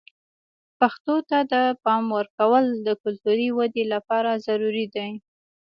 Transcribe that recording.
پښتو ته د پام ورکول د کلتوري ودې لپاره ضروري دي.